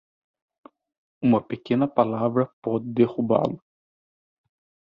Uma pequena palavra pode derrubá-lo.